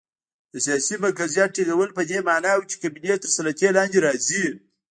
د سیاسي مرکزیت ټینګول په دې معنا و چې قبیلې تر سلطې لاندې راځي.